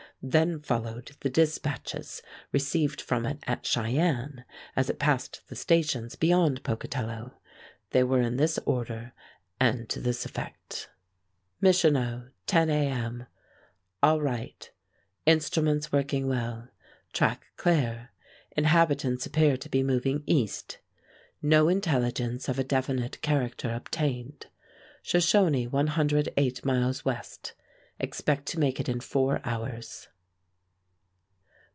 Then followed the dispatches received from it at Cheyenne as it passed the stations beyond Pocatello. They were in this order and to this effect: MICHANO, 10 A. M. All right. Instruments working well. Track clear. Inhabitants appear to be moving east. No intelligence of a definite character obtained. Shoshone 108 miles west. Expect to make it in four hours.